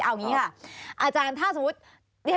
เอาอย่างนี้ค่ะอาจารย์ถ้าสมมุติ